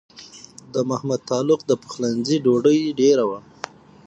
د محمد تغلق د پخلنځي ډوډۍ ډېره وه.